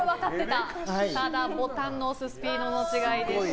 ただ、ボタンの押すスピードの違いでした。